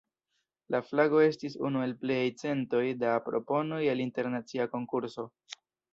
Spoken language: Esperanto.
La flago estis unu el pliaj centoj da proponoj el internacia konkurso.